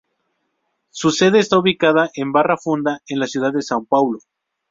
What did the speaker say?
Su sede está ubicada en Barra Funda, en la ciudad de São Paulo.